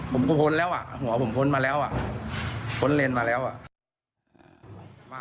ผมก็พ้นแล้วอ่ะหัวผมพ้นมาแล้วอ่ะพ้นเลนมาแล้วอ่ะ